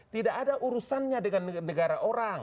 tidak ada urusannya dengan negara orang